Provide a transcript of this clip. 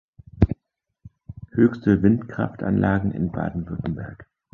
Höchste Windkraftanlagen in Baden-Württemberg.